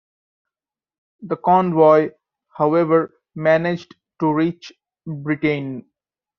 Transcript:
The convoy, however, managed to reach Britain.